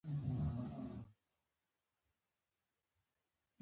ګلدان کور ښکلی کوي